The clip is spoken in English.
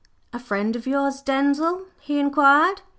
"A friend of yours, Denzil?" he inquired.